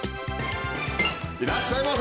いらっしゃいませ！